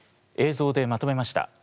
映像でまとめました。